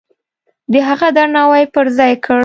د هغه درناوی پرځای کړ.